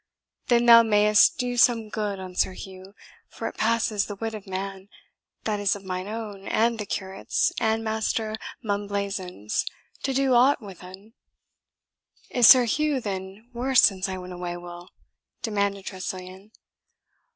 Then thou mayest do some good on Sir Hugh, for it passes the wit of man that is, of mine own, and the curate's, and Master Mumblazen's to do aught wi'un." "Is Sir Hugh then worse since I went away, Will?" demanded Tressilian.